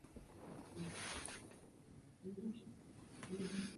Feltrinelli y por Ed.